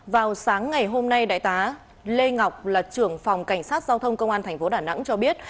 vào sáng ngày hôm nay đại tá lê ngọc là trưởng phòng cảnh sát giao thông công an thành phố đà nẵng cho biết